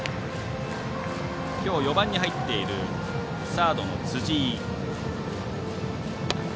きょう、４番に入っているサードの辻井。